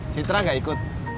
citra gak ikut